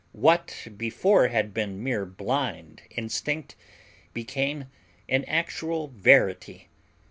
What before had been mere blind instinct became an actual verity.